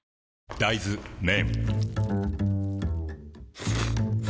大豆麺